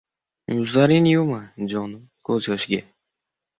Yuzlaringni yuvma, jonim, ko‘z yoshga.